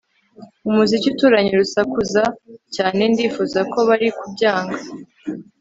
Umuziki uturanye urasakuza cyane Ndifuza ko bari kubyanga